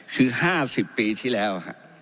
คือ๕๐ปีที่แล้ว